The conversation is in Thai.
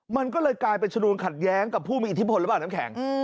มันก็เลยกลายเป็นชนวนขัดแย้งกับผู้มีอิทธิพลหรือเปล่าน้ำแข็ง